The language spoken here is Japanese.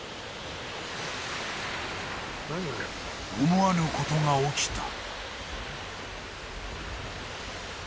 ［思わぬことが起きた］